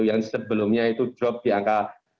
yang sebelumnya itu drop di angka lima puluh enam puluh